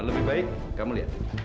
lebih baik kamu lihat